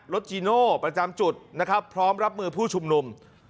จีโน่ประจำจุดนะครับพร้อมรับมือผู้ชุมนุม